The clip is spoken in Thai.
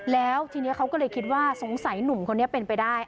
แล้วทีนี้เขาก็เลยคิดว่าสงสัยหนุ่มคนนี้เป็นไปได้